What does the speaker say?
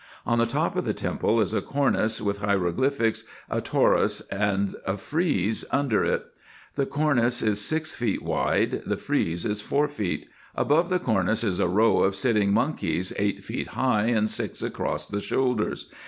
On the top of the temple is a cornice with hieroglyphics, a torus and frize under it. The cornice is six feet wide, the frize is four feet. Above the cornice is a row of sitting monkeys eight feet high, and six across the shoulders.